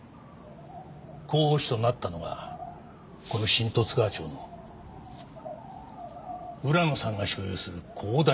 候補地となったのがこの新十津川町の浦野さんが所有する広大な土地だった。